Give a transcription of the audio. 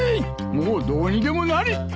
もうどうにでもなれ！